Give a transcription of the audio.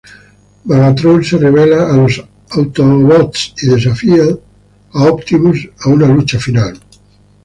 Megatron se revela a los Autobots, y desafía a Optimus a una lucha final.